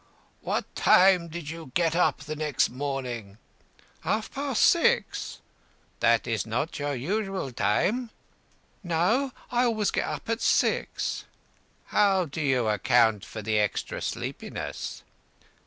"What time did you get up the next morning?" "Half past six." "That is not your usual time?" "No, I always get up at six." "How do you account for the extra sleepiness?"